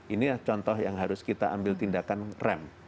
ini contoh yang harus kita ambil tindakan rem